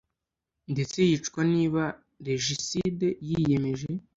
Nde Yicwa Niba Regicide yiyemeje